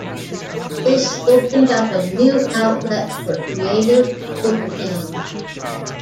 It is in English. This opened up a new outlet for creative overkill.